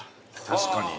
確かに。